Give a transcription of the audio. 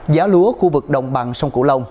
giá lúa khu vực đồng bằng sông cửu long